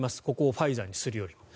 ここをファイザーにするより。